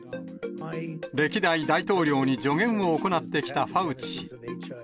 歴代大統領に助言を行ってきたファウチ氏。